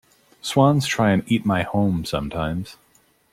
Swans try and eat my home sometimes.